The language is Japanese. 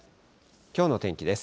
きょうの天気です。